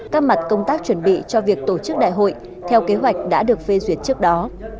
các mặt công tác chuẩn bị cho việc tổ chức đại hội theo kế hoạch đã được phê duyệt trước đó